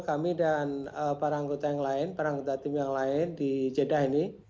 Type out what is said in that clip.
kami dan para anggota yang lain para anggota tim yang lain di jeddah ini